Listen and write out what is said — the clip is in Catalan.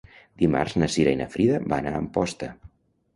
Dimarts na Cira i na Frida van a Amposta.